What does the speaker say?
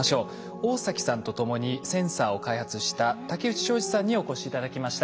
大崎さんと共にセンサーを開発した竹内昌治さんにお越し頂きました。